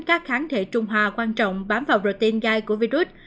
các kháng thể trụng hòa quan trọng bám vào protein gai của virus